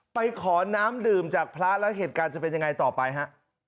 ไปขอน้ำดื่มจากพระแล้วเหตุการณ์จะเป็นยังไงต่อไปฮะ